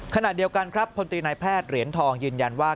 ขณะเดียวกันครับพลตรีนายแพทย์เหรียญทองยืนยันว่า